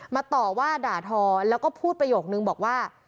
ต่อว่าด่าทอแล้วก็พูดประโยคนึงบอกว่า